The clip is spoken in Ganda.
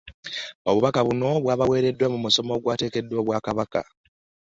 Obubaka buno abubaweeredde mu musomo ogwategekeddwa Obwakabaka